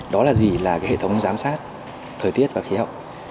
đó là gì là hệ thống giám sát thời tiết và khí hậu